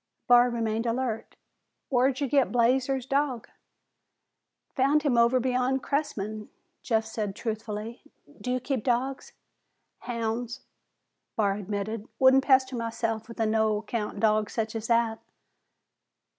Barr remained alert. "Whar'd ye get Blazer's dog?" "Found him over beyond Cressman," Jeff said truthfully. "Do you keep dogs?" "Houn's," Barr admitted. "Wouldn't pester myself with a no account dog such as that."